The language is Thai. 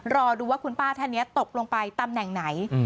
รอดูว่าคุณป้าท่านนี้ตกลงไปตำแหน่งไหน